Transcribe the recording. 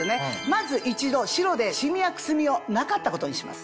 まず一度白でシミやくすみをなかったことにします。